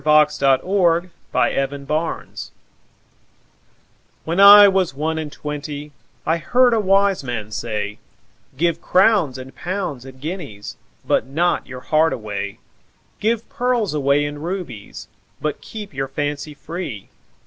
When I was one and twenty WHEN I was one and twentyI heard a wise man say,'Give crowns and pounds and guineasBut not your heart away; Give pearls away and rubiesBut keep your fancy free.